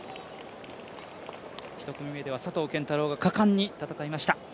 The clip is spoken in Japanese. １組目では佐藤拳太郎が果敢に戦いました。